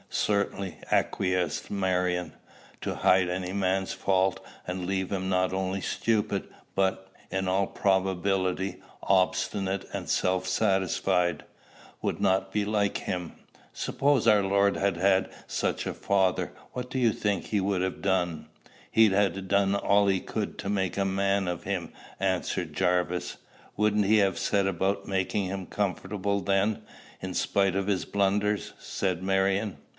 "Certainly," acquiesced Marion. "To hide any man's faults, and leave him not only stupid, but, in all probability, obstinate and self satisfied, would not be like him. Suppose our Lord had had such a father: what do you think he would have done?" "He'd ha' done all he could to make a man of him," answered Jarvis. "Wouldn't he have set about making him comfortable then, in spite of his blunders?" said Marion.